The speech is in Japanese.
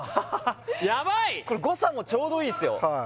ヤバい誤差もちょうどいいっすよ